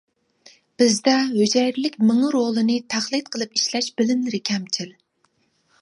بىزدە ھۈجەيرىلىك مېڭە رولىنى تەقلىد قىلىپ ئىشلەش بىلىملىرى كەمچىل.